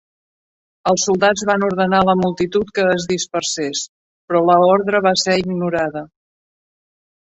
Els soldats van ordenar la multitud que es dispersés, però la ordre va ser ignorada.